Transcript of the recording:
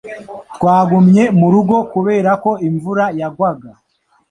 Twagumye mu rugo kubera ko imvura yagwaga.